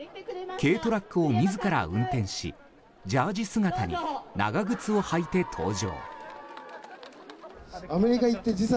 軽トラックを自ら運転しジャージー姿に長靴を履いて登場。